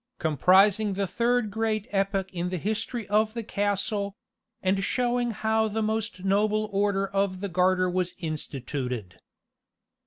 Comprising the Third Great Epoch in the History of the Castle And showing how the Most Noble Order of the Garter was instituted.